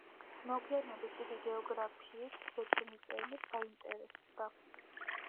მოგვიანებით იგი გეოგრაფიით ზედმიწევნით დაინტერესდა.